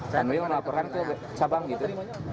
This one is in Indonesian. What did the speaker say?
tanwil melaporkan ke cabang gitu